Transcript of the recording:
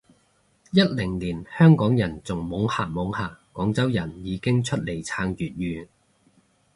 一零年香港人仲懵下懵下，廣州人已經出嚟撐粵語